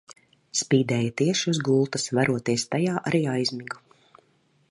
Spīdēja tieši uz gultas. Veroties tajā arī aizmigu.